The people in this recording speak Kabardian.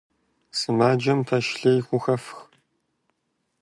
Сымаджэм пэш лей хухэфх.